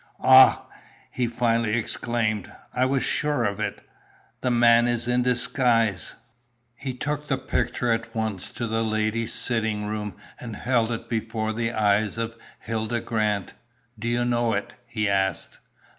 "Ah!" he finally exclaimed, "I was sure of it! The man is in disguise!" He took the picture at once to the ladies' sitting room, and held it before the eyes of Hilda Grant. "Do you know it?" he asked.